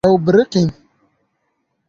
Ew biriqîn.